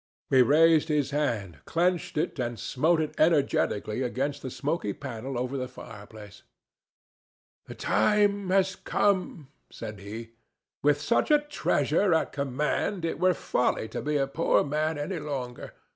He raised his hand, clenched it and smote it energetically against the smoky panel over the fireplace. "The time is come," said he; "with such a treasure at command, it were folly to be a poor man any longer.